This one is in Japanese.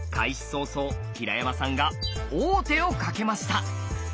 早々平山さんが王手をかけました！